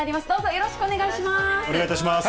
よろしくお願いします。